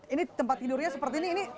ini tempat tidurnya seperti ini